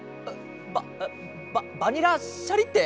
バババニラ・シャリッテ！？